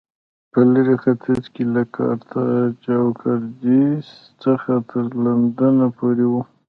په لېرې ختیځ کې له کارتاج او کادېس څخه تر لندنه پورې و